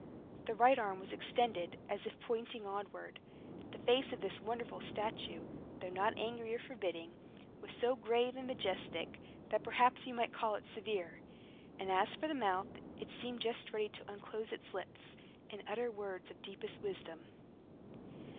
The right arm was extended, as if pointing onward. The face of this wonderful statue, though not angry or forbidding, was so grave and majestic, that perhaps you might call it severe; and as for the mouth, it seemed just ready to unclose its lips, and utter words of the deepest wisdom.